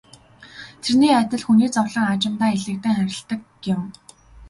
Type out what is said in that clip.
Тэрний адил хүний зовлон аажимдаа элэгдэн арилдаг юм.